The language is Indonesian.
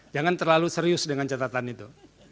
jangan terlalu serius dengan catatan itu